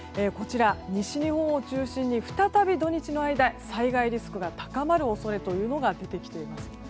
西日本を中心に、再び土日の間災害リスクが高まる恐れが出てきています。